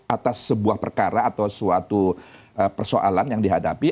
atas sebuah perkara atau suatu persoalan yang dihadapi